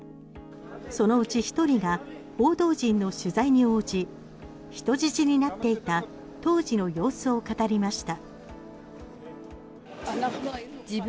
そのうち１人が報道陣の取材に応じ人質になっていた当時の様子を語りました。